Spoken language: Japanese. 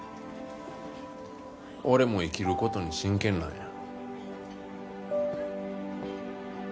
俺も生きる事に真剣なんや。